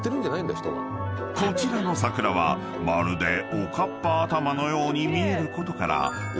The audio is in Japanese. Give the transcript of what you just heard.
［こちらの桜はまるでおかっぱ頭のように見えることから］